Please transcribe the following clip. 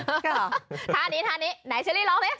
ท่านี้ท่านี้แชลลี่ลองเถี้ย